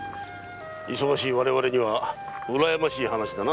忙しい我々にはうらやましい話だな。